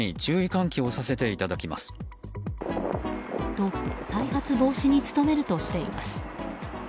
と、再発防止に努めるとしています。